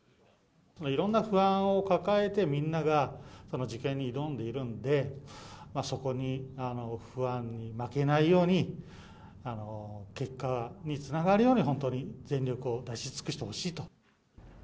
いろんな不安を抱えて、みんなが受験に挑んでいるので、そこに不安に負けないように、結果につながるように、本当に全力を出し尽くしてほしいと。